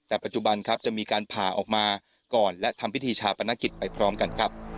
แต่ปัจจุบันครับจะมีการผ่าออกมาก่อนและทำพิธีชาปนกิจไปพร้อมกันครับ